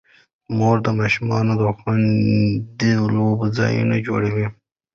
مور د ماشومانو د خوندي لوبو ځایونه جوړوي.